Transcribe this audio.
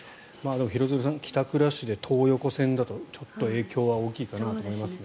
でも、廣津留さん帰宅ラッシュで東横線だとちょっと影響は大きいかなと思いますね。